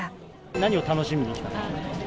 何を楽しみに来たんですか？